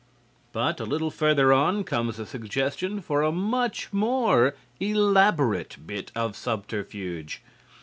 But a little further on comes a suggestion for a much more elaborate bit of subterfuge.